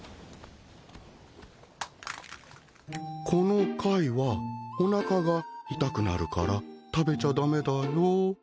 この貝はおなかが痛くなるから食べちゃ駄目だよ。